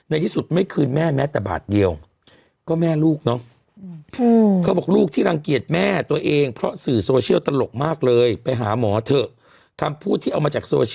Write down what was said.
ในที่สุดไม่คืนแม่แม้แต่บาทเดียวก็แม่ลูกเนาะเขาบอกลูกที่รังเกียจแม่ตัวเองเพราะสื่อโซเชียลตลกมากเลยไปหาหมอเถอะ